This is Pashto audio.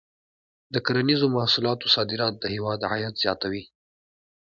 د کرنیزو محصولاتو صادرات د هېواد عاید زیاتوي.